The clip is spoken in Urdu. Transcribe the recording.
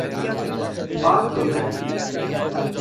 بات تو ہے۔